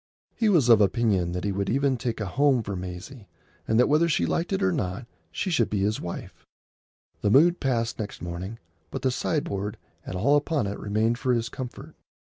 He was of opinion that he would even make a home for Maisie, and that whether she liked it or not she should be his wife. The mood passed next morning, but the sideboard and all upon it remained for his comfort.